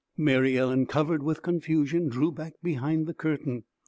Mary Ellen, covered with confusion, drew back behind the curtain.